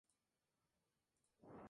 Su jardinero actual es "Anja Romana".